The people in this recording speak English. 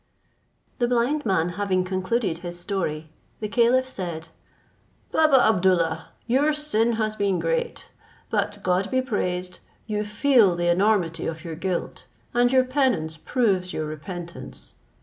The blind man having concluded his story, the caliph said, "Baba Abdoollah, your sin has been great; but God be praised, you feel the enormity of your guilt, and your penance proves your repentance.